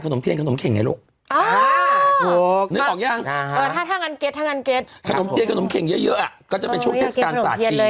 ขนมเทียงขนมเข็งเยอะเยอะอะก๋อจะเป็นชูคเทศการณ์สาธิจีนเลย